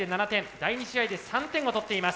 第２試合で３点を取っています。